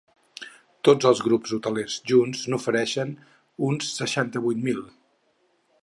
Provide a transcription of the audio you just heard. Tots els grups hotelers junts n’ofereixen uns seixanta-vuit mil.